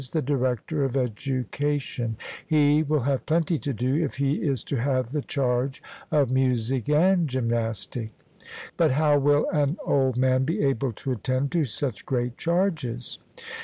the director of education]; he will have plenty to do, if he is to have the charge of music and gymnastic. CLEINIAS: But how will an old man be able to attend to such great charges?